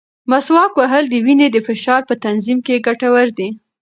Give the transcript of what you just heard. مسواک وهل د وینې د فشار په تنظیم کې ګټور دی.